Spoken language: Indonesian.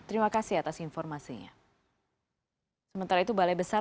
terima kasih atas informasinya